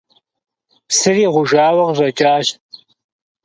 Псыри гъужауэ къыщӏэкӏащ.